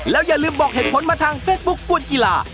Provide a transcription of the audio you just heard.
อย่าลืมบอกเหตุผลมาทางเฟซบุ๊คกวนกีฬา